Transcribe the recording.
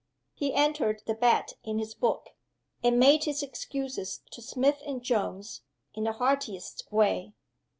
He entered the bet in his book; and made his excuses to Smith and Jones in the heartiest way.